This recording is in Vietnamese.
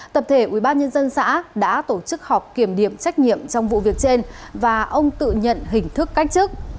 tập thể ubnd xã đã tổ chức họp kiểm điểm trách nhiệm trong vụ việc trên và ông tự nhận hình thức cách chức